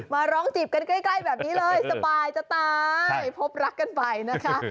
มาร้องจีบกันใกล้แบบนี้เลยสบายจะตายพบรักกันไปนะคะ